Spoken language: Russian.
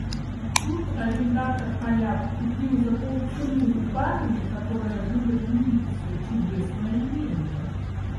Тут арендатор-Поляк купил за полцены у барыни, которая живет в Ницце, чудесное имение.